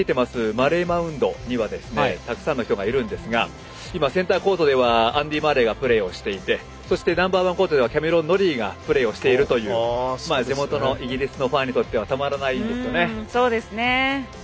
マレー・マウントにはたくさんの人がいるんですが今、センターコートではアンディ・マレーがプレーしていてナンバー１コートではキャメロン・ノリーがプレーしているという地元のイギリスファンにとってはたまらないという。